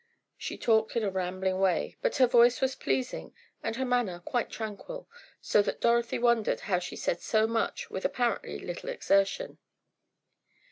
She talked in a rambling way, but her voice was pleasing and her manner quite tranquil, so that Dorothy wondered how she said so much with apparently little exertion.